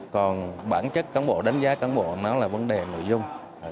còn bản chất cán bộ đánh giá cán bộ nó là vấn đề nội dung